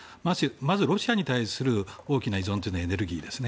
まずロシアに対する大きな依存はエネルギーです。